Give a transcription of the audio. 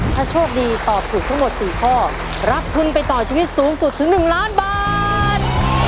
ถ้าโชคดีตอบถูกทั้งหมด๔ข้อรับทุนไปต่อชีวิตสูงสุดถึง๑ล้านบาท